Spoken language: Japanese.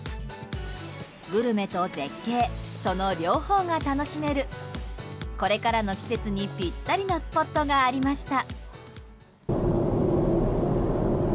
グルメと絶景その両方が楽しめるこれからの季節にぴったりなスポットがありました。